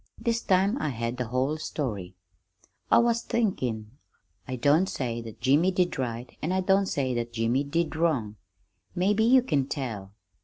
This time I had the whole story. "I was thinkin' I don't say that Jimmy did right, an' I don't say that Jimmy did wrong. Maybe you can tell.